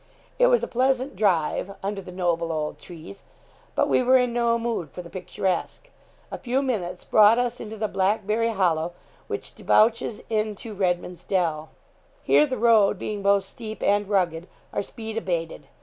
It was a pleasant drive, under the noble old trees. But we were in no mood for the picturesque. A few minutes brought us into the Blackberry hollow, which debouches into Redman's Dell. Here, the road being both steep and rugged, our speed abated.